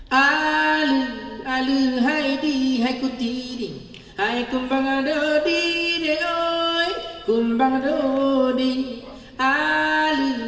pas saya hadir di latihan pun mereka sudah tahu apa yang harus dilakukan